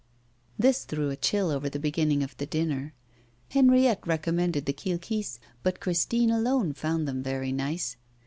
This threw a chill over the beginning of the dinner. Henriette recommended the kilkis, but Christine alone found them very nice.